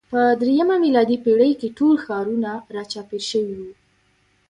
په درېیمه میلادي پېړۍ کې ټول ښارونه راچاپېر شوي وو.